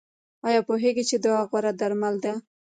ایا پوهیږئ چې دعا غوره درمل ده؟